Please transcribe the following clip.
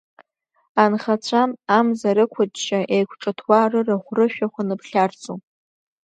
Анхацәа, амза рықәҷҷа, еиқәҿыҭуа, рырахә-рышәахә аныԥхьарцо…